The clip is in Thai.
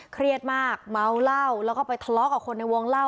เครียดมากเมาเหล้าแล้วก็ไปทะเลาะกับคนในวงเล่า